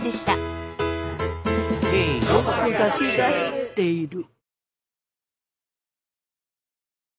「ロコだけが知っている」。